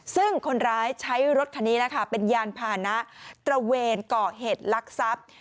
ซึ่งคนร้ายใช้รถคันนี้นะคะเป็นยานพานะตระเวนก่อเหตุลักษัพ